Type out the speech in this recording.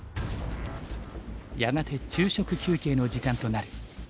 やがて昼食休憩の時間となる。